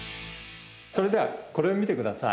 それではこれを見てください